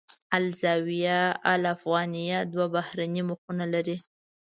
الزاویة الافغانیه دوه بهرنۍ مخونه لري.